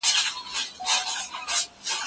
د تیر کال کتابچه له سږنۍ سره پرتله کول بدلون ښیي.